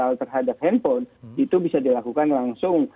hal terhadap handphone itu bisa dilakukan langsung